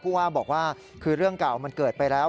ว่าบอกว่าคือเรื่องเก่ามันเกิดไปแล้ว